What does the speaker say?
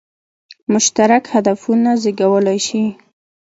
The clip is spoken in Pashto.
مشترک هدفونه زېږولای شي.